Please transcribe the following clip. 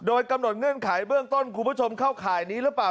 โดยกำหนดเงื่อนไขเบื้องต้นคุณผู้ชมเข้าข่ายนี้หรือเปล่า